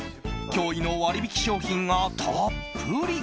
驚異の割引商品がたっぷり！